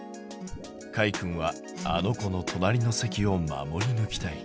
かいくんはあの子の隣の席を守りぬきたい。